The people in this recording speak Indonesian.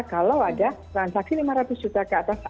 kalau ada transaksi lima ratus juta ke atas